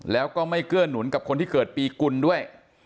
แล้วก็ไม่เกื้อหนุนกับคนที่เกิดปีกุลด้วย